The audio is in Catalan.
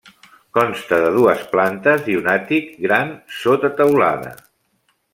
Consta de dues plantes i un àtic gran sota teulada.